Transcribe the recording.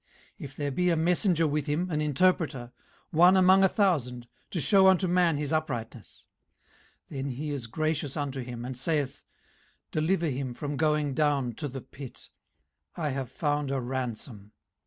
18:033:023 If there be a messenger with him, an interpreter, one among a thousand, to shew unto man his uprightness: 18:033:024 Then he is gracious unto him, and saith, Deliver him from going down to the pit: I have found a ransom.